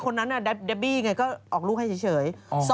ก็ออกลูกให้เฉย